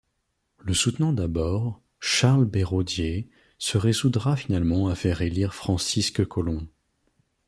Le soutenant d’abord, Charles Béraudier se résoudra finalement à faire élire Francisque Collomb.